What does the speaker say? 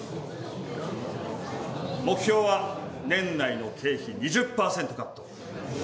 目標は年内の経費２０％カッ